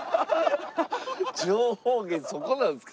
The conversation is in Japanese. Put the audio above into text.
情報源そこなんですか？